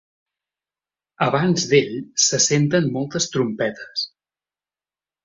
Abans d'ell, se senten moltes trompetes.